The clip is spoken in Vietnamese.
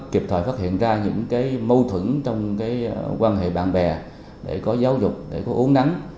kịp thời phát hiện ra những mâu thuẫn trong quan hệ bạn bè để có giáo dục để có uống nắng